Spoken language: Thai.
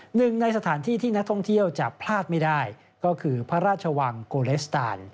หนึ่งในสถานที่ที่นักท่องเที่ยวจะพลาดไม่ได้ก็คือพระราชวังโกเลสตาน